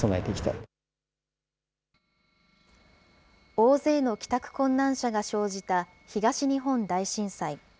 大勢の帰宅困難者が生じた東日本大震災。